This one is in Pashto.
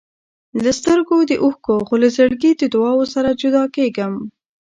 له سترګو د اوښکو، خو له زړګي د دعاوو سره جدا کېږم.